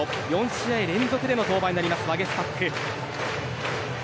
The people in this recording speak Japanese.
４試合連続での登板になるワゲスパック。